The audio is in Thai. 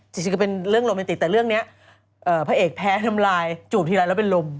จริงก็เป็นเรื่องโรแมนติกแต่เรื่องนี้พระเอกแพ้ทำลายจูบทีไรแล้วเป็นลม